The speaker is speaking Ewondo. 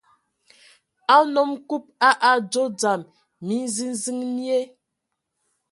A nnom Kub a adzo dzam minziziŋ mie,